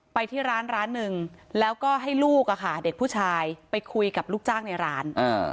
ไปที่ร้านร้านหนึ่งแล้วก็ให้ลูกอะค่ะเด็กผู้ชายไปคุยกับลูกจ้างในร้าน